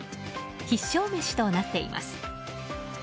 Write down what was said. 必勝メシとなっています。